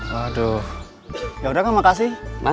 waduh yaudah kang makasih